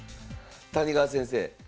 谷川先生。